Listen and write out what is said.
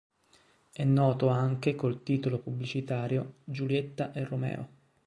È noto anche col titolo pubblicitario Giulietta e Romeo.